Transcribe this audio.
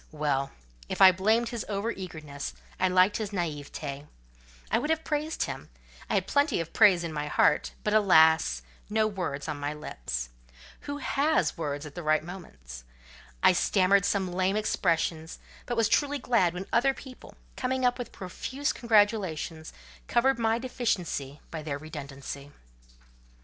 Well! if I blamed his over eagerness, I liked his naiveté. I would have praised him: I had plenty of praise in my heart; but, alas! no words on my lips. Who has words at the right moment? I stammered some lame expressions; but was truly glad when other people, coming up with profuse congratulations, covered my deficiency by their redundancy.